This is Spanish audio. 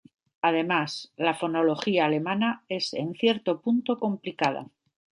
Además la fonología alemana es en cierto punto complicada.